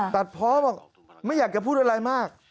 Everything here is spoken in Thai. ตัดเพาะบอกไม่อยากจะพูดอะไรมาก